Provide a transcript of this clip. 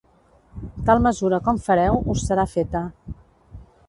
Tal mesura com fareu, us serà feta.